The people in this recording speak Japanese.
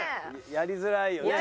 やりづらいよね。